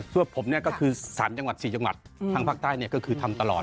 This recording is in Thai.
ส่วนผมก็คือศาลจังหวัด๔จังหวัดทั้งภาคใต้ก็คือทำตลอด